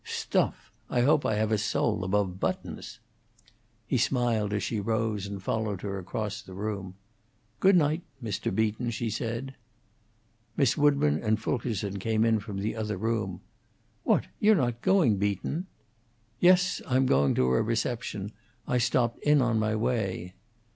"Stuff! I hope I have a soul above buttons!" He smiled, as she rose, and followed her across the room. "Good night; Mr. Beaton," she said. Miss Woodburn and Fulkerson came in from the other room. "What! You're not going, Beaton?" "Yes; I'm going to a reception. I stopped in on my way."